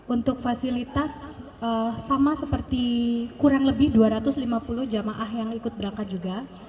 untuk fasilitas sama seperti kurang lebih dua ratus lima puluh jamaah yang ikut berangkat juga